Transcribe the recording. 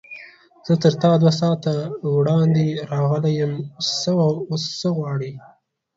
زه تر تا دوه ساعته وړاندې راغلی یم، اوس څه غواړې؟